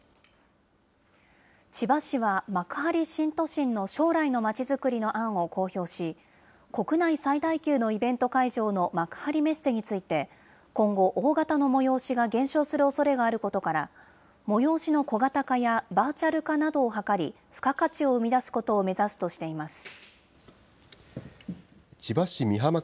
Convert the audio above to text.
千葉市は幕張新都心の将来のまちづくりの案を公表し、国内最大級のイベント会場の幕張メッセについて、今後、大型の催しが減少するおそれがあることから、催しの小型化やバーチャル化などを図り、付加価値を生み出すことを目指すとしています。